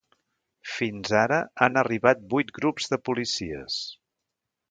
Fins ara, han arribat vuit grups de policies.